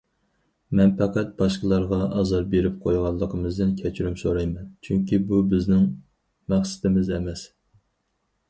مەن پەقەت باشقىلارغا ئازار بېرىپ قويغانلىقىمىزدىن كەچۈرۈم سورايمەن، چۈنكى بۇ بىزنىڭ مەقسىتىمىز ئەمەس.